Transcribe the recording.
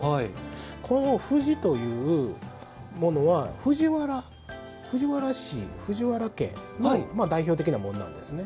この藤というものは藤原氏、藤原家の代表的な紋なんですね。